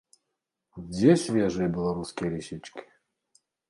Дзе свежыя беларускія лісічкі?